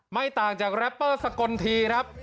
ไม่ต่างจากแรปเปอร์สกลทีครับ